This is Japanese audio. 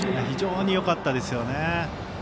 非常によかったですよね。